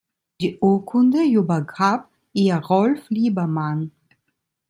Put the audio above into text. Die Urkunde übergab ihr Rolf Liebermann.